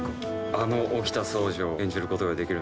あの沖田総司を演じることができる。